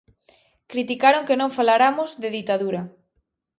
Criticaron que non falaramos de ditadura.